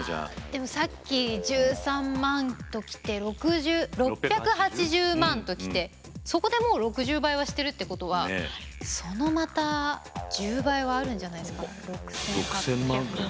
でもさっき１３万ときて６８０万ときてそこでもう６０倍はしてるってことはそのまた１０倍はあるんじゃないですか。